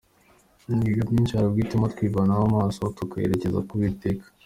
Imiyaga myinshi hari ubwo ituma twivanaho amaso, tukayerekeza k’Uwiteka.